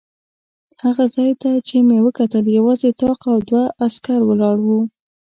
هغه ځای ته چې مې وکتل یوازې طاق او دوه عسکر ولاړ و.